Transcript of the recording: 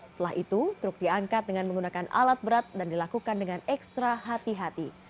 setelah itu truk diangkat dengan menggunakan alat berat dan dilakukan dengan ekstra hati hati